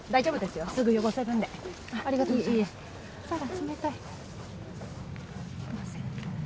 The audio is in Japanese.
すいません。